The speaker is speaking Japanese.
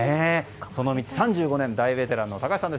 その道３５年大ベテランの高橋さんです。